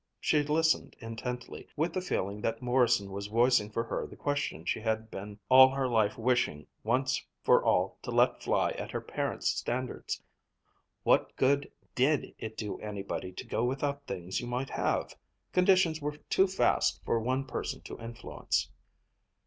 She listened intently, with the feeling that Morrison was voicing for her the question she had been all her life wishing once for all to let fly at her parents' standards: "What good did it do anybody to go without things you might have? Conditions were too vast for one person to influence."